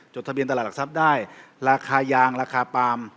จดทะเบียนตลาดหลักสัพได้